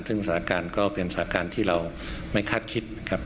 ซึ่งสถานการณ์ก็เป็นสถานการณ์ที่เราไม่คาดคิดครับ